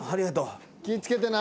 気ぃ付けてな。